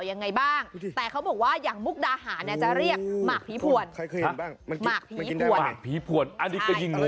ยังไงบ้างแต่เขาบอกว่าอย่างมุกดาหาจะเรียกหมากผีผวน